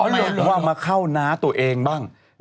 อ๋อเรียกว่ามาเข้าน้าตัวเองบ้าง